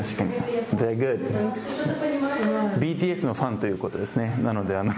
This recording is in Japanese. ＢＴＳのファンということですね。